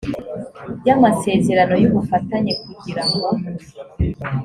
y amasezerano y ubufatanye kugira ngo